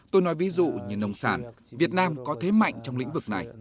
tôi nói ví dụ như nông sản việt nam có thế mạnh trong lĩnh vực này